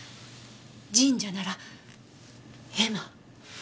神社なら絵馬？